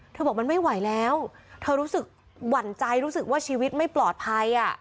บอกมันไม่ไหวแล้วเธอรู้สึกหวั่นใจรู้สึกว่าชีวิตไม่ปลอดภัย